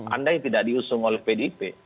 andai tidak diusung oleh pdip